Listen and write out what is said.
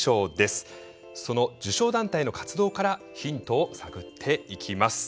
その受賞団体の活動からヒントを探っていきます。